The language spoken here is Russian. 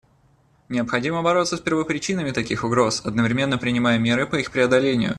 Необходимо бороться с первопричинами таких угроз, одновременно принимая меры по их преодолению.